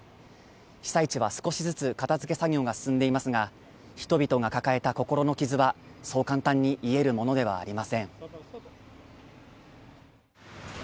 被災地は少しずつ片付け作業が進んでいますが人々が抱えた心の傷はそう簡単に癒えるものではありません。